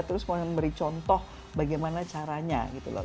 terus mau memberi contoh bagaimana caranya gitu loh